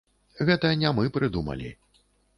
Гэта не мы прыдумалі.